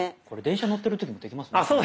これ電車に乗ってる時もできますね。